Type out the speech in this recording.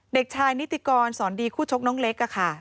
เด็กชายนิติกรสอนดีคู่ชกน้องเล็กค่ะ